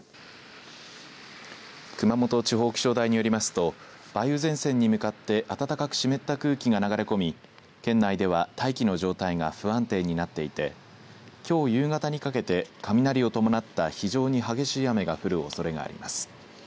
熊本地方気象台によりますと梅雨前線に向かって暖かく湿った空気が流れ込み県内では大気の状態が不安定になっていてきょう夕方にかけて雷を伴った非常に激しい雨が降るおそれがあります。